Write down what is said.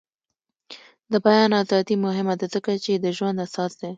د بیان ازادي مهمه ده ځکه چې د ژوند اساس دی.